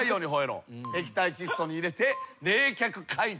液体窒素に入れて冷却解除。